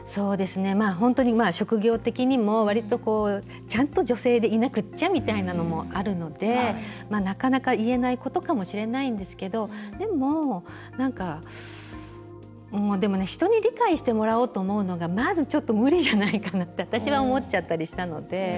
本当に職業的にも割と、ちゃんと女性でいなくっちゃみたいなのもあるのでなかなか言えないことかもしれないんですけどでも人に理解してもらおうと思うのが、まずちょっと無理じゃないかなって私は思っちゃったりしたので。